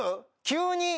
急に？